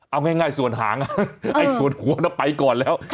เอาง่ายส่วนหางไอ้ส่วนหัวน่ะไปก่อนแล้ว